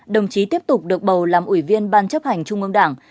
đồng chí tiếp tục được bầu làm ủy viên ban chấp hành trung ương đảng